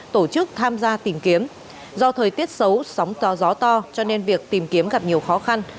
tổ chức tham gia tìm kiếm do thời tiết xấu sóng to gió to cho nên việc tìm kiếm gặp nhiều khó khăn